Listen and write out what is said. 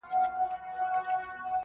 مدرسې یې د ښارونو کړلې بندي -